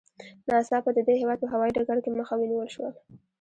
ناڅاپه د دې هېواد په هوايي ډګر کې مخه ونیول شوه.